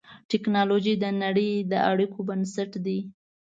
ټکنالوجي د نړۍ د اړیکو بنسټ دی.